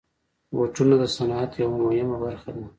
بوټونه د صنعت یوه مهمه برخه ده.